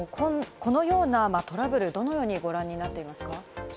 アーロンさん、このようなトラブル、どのようにご覧になっていますか？